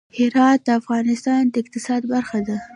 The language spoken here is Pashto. هرات د افغانستان د اقتصاد برخه ده.